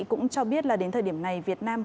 cũng cho biết là đến thời điểm này việt nam